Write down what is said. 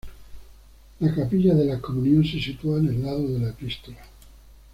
La capilla de la Comunión se sitúa en el lado de la epístola.